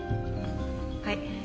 はい。